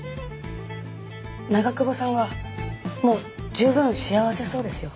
長窪さんはもう十分幸せそうですよ。